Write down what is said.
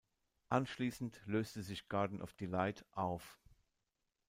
Anschließend löste sich Garden of Delight auf.